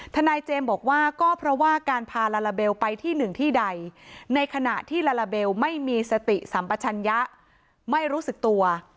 ทนายเจมส์บอกว่าก็เพราะว่าการพาลาลาเบลไปที่หนึ่งที่ใดในขณะที่ลาลาเบลไม่มีสติสัมปชัญญะไม่รู้สึกตัว